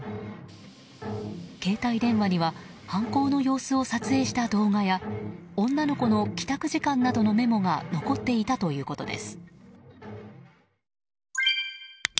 携帯電話には犯行の様子を撮影した動画や女の子の帰宅時間などのメモが残っていたということです。